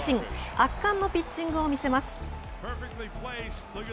圧巻のピッチングを見せます。